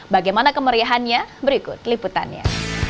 bagaimana kemeriahannya berikut liputannya